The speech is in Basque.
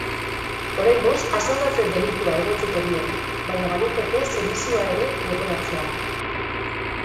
Oraingoz, asaldatze delitua egotziko die, baina baliteke sedizioa ere leporatzea.